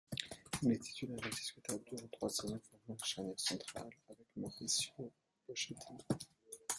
Il est titulaire indiscutable durant trois saisons formant la charnière centrale avec Mauricio Pochettino.